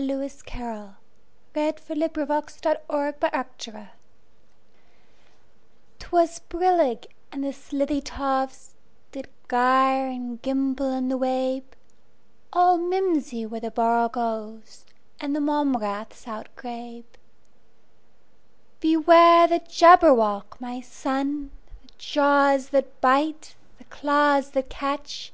Lewis Carroll 1832–98 Jabberwocky CarrollL 'T WAS brillig, and the slithy tovesDid gyre and gimble in the wabe; All mimsy were the borogoves, And the mome raths outgrabe."Beware the Jabberwock, my son! The jaws that bite, the claws that catch!